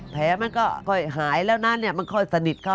แผลมันก็ค่อยหายแล้วนะมันค่อยสนิทเขา